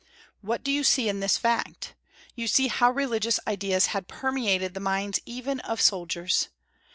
What do you see in this fact? You see how religious ideas had permeated the minds even of soldiers.